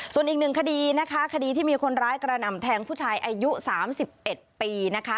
ส่วนอีกหนึ่งคดีนะคะคดีที่มีคนร้ายกระหน่ำแทงผู้ชายอายุ๓๑ปีนะคะ